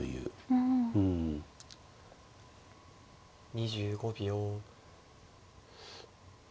２５秒。